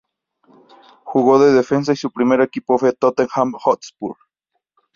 Jugó de defensa y su primer equipo fue Tottenham Hotspur.